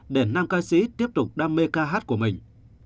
để nam ca sĩ tiếp tục đam mê ca hát của mình